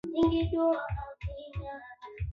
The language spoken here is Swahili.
Taiwan na visiwa vingine vya Jamhuri ya watu wa China